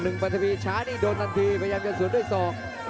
หนึ่งมั่นเถอะที่ช้านี่โดนท่านทีพยายามจะสุดด้วยสอง